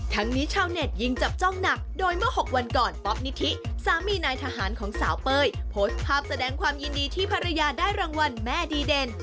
นี้ชาวเน็ตยิ่งจับจ้องหนักโดยเมื่อ๖วันก่อนป๊อปนิธิสามีนายทหารของสาวเป้ยโพสต์ภาพแสดงความยินดีที่ภรรยาได้รางวัลแม่ดีเด่น